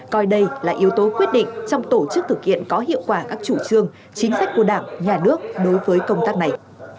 coi đây là yếu tố quyết định trong tổ chức thực hiện có hiệu quả các chủ trương chính sách của đảng nhà nước đối với công tác này